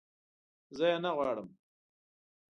زه یې نه غواړم